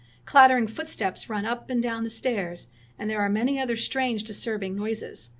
Clattering footsteps run up and down the stairs and there are many other strange disturbing noises.